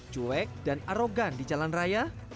cuek dan arogan di jalan raya